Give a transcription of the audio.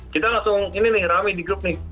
kita langsung ini nih rame di grup nih